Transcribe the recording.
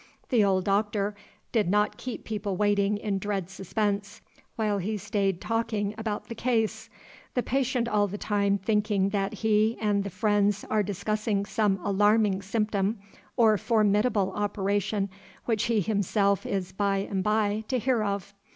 The old Doctor did not keep people waiting in dread suspense, while he stayed talking about the case, the patient all the time thinking that he and the friends are discussing some alarming symptom or formidable operation which he himself is by and by to hear of.